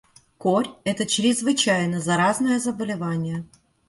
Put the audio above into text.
Корь это чрезвычайно заразное заболевание.